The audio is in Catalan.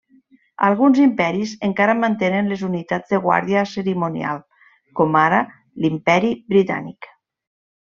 Alguns imperis encara mantenen les unitats de guàrdia cerimonial, com ara l'Imperi Britànic.